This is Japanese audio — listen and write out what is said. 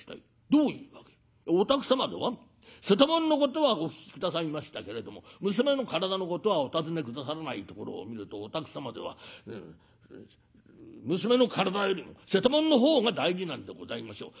『どういうわけ』『お宅様では瀬戸物のことはお聞き下さいましたけれども娘の体のことはお尋ね下さらないところを見るとお宅様では娘の体よりも瀬戸物の方が大事なんでございましょう。